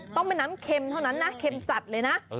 ต้องเป็นน้ำเค็มเท่านั้นนะเค็มจัดเลยนะ